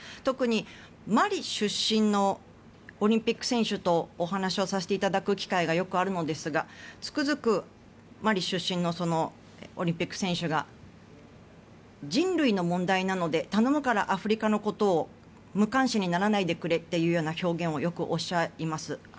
特に、マリ出身のオリンピック選手とお話をさせていただく機会がよくあるのですがつくづく、マリ出身のオリンピック選手が人類の問題なので頼むからアフリカのことを無関心にならないでくれというような表現をよくおっしゃいます。